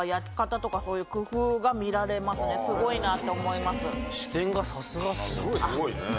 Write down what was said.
すごいなって思います。